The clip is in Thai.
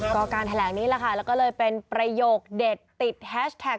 ก็การแถลงนี้แหละค่ะแล้วก็เลยเป็นประโยคเด็ดติดแฮชแท็ก